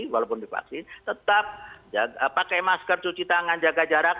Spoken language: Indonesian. walaupun divaksin tetap pakai masker cuci tangan jaga jarak